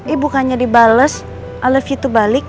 eh bukannya dibales i love you itu balik